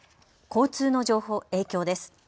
交通の影響です。